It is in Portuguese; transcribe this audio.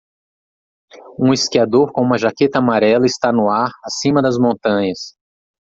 Um esquiador com uma jaqueta amarela está no ar acima das montanhas.